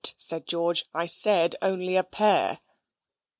said George, "I said only a pair."